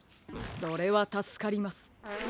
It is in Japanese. それはたすかります。